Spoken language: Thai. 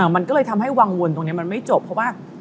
มันก็เลยทำให้วังวลตรงนี้มันไม่จบเพราะว่า